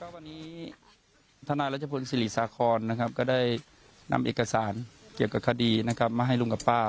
วันนี้ทนายรจพลศิริสาคอนก็ได้นำเอกสารเกี่ยวกับคดีมาให้ลุงกับป้า